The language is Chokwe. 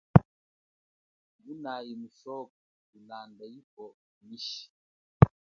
Nunayi musoko kulanda ifwo nyi ishi ?